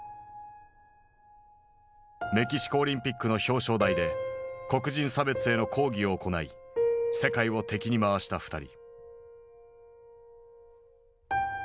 メキシコオリンピックの表彰台で黒人差別への抗議を行い世界を敵に回した２人。